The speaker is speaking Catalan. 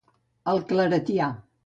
El claretià.